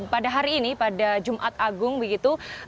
pada hari ini pada jumat agung begitu